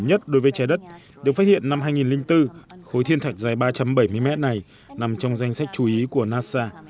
thứ nhất đối với trái đất được phát hiện năm hai nghìn bốn khối thiên thạch dài ba trăm bảy mươi mét này nằm trong danh sách chú ý của nasa